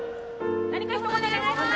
何かひと言お願いします。